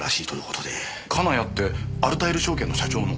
金谷ってアルタイル証券の社長の？